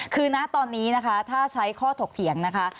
คือณตอนนี้นะคะถ้าใช้ข้อถกเถียงนะคะ